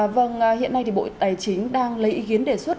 vâng hiện nay thì bộ tài chính đang lấy ý kiến đề xuất